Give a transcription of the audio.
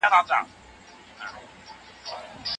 ولي هوډمن سړی د لایق کس په پرتله ډېر مخکي ځي؟